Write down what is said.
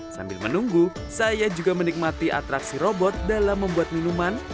sambil menunggu saya juga menikmati atraksi robot dalam membuat minuman